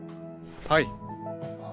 はい。